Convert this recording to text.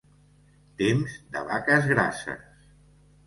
Temps de vaques grasses.